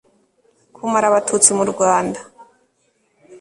kumara abatutsi mu rwanda